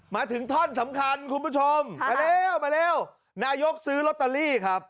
มาถึงท่อนสำคัญคุณผู้ชมมาเร็วมาเร็วนายกซื้อลอตเตอรี่ครับ